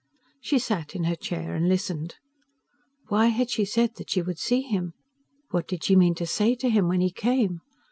She sat in her chair and listened. Why had she said that she would see him? What did she mean to say to him when he came?